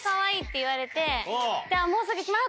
もうすぐきます！